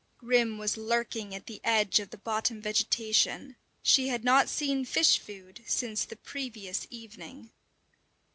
Grim was lurking at the edge of the bottom vegetation; she had not seen fish food since the previous evening.